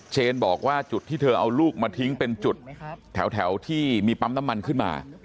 บอกว่าจุดที่เธอเอาลูกมาทิ้งเป็นจุดแถวที่มีปั๊มน้ำมันขึ้นมา